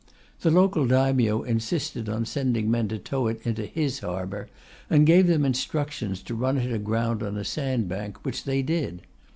The local Daimyo insisted on sending men to tow it into his harbour, and gave them instructions to run it aground on a sandbank, which they did.